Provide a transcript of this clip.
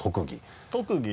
特技。